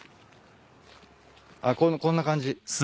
あっこんな感じ。